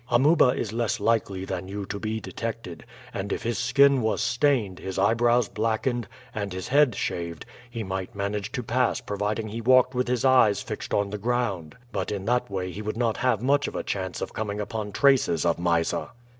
Amuba is less likely than you to be detected, and if his skin was stained, his eyebrows blackened, and his head shaved, he might manage to pass providing he walked with his eyes fixed on the ground; but in that way he would not have much chance of coming upon traces of Mysa.